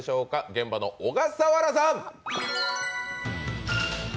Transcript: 現場の小笠原さん！